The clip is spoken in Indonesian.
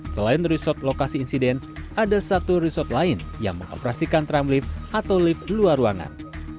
selain resort lokasi insiden ada satu resort lain yang mengoperasikan tram lift atau lift luar ruangan